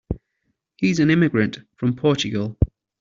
He's an immigrant from Portugal.